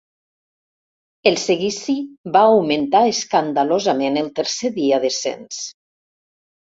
El seguici va augmentar escandalosament el tercer dia de cens.